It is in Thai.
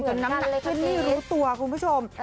น้ำหนักขึ้นไม่รู้ตัวคุณผู้ชม